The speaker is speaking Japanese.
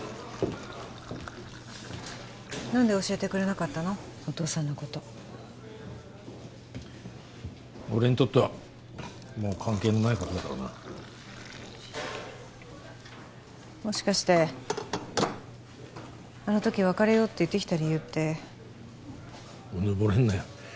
何で教えてくれなかったのお父さんのこと俺にとってはもう関係のないことだからなもしかしてあの時別れようって言ってきた理由ってうぬぼれんなよ